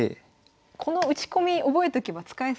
この打ち込み覚えとけば使えそうですね。